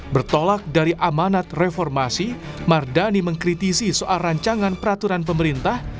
bertolak dari amanat reformasi mardani mengkritisi soal rancangan peraturan pemerintah